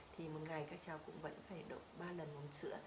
thì một ngày các cháu cũng vẫn phải đậu ba lần uống sữa